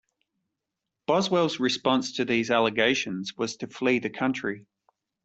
Boswell's response to these allegations was to flee the country.